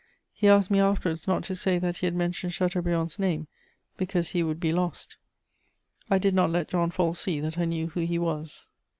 He asked me afterwards not to say that he had mentioned Chateaubriand's name, because he would be lost. "I did not let John Fall see that I knew who he was."